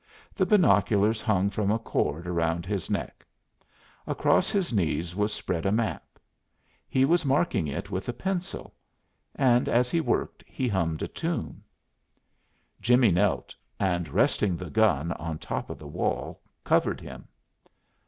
The binoculars hung from a cord around his neck. Across his knees was spread a map. He was marking it with a pencil, and as he worked he hummed a tune. Jimmie knelt, and resting the gun on the top of the wall, covered him.